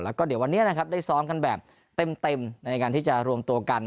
แล้วก็เดี๋ยววันนี้นะครับได้ซ้อมกันแบบเต็มในการที่จะรวมตัวกัน